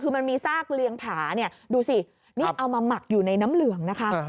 คือมันมีซากเลี้ยงผาเนี่ยดูสินี่เอามาหมักอยู่ในน้ำเหลืองนะคะ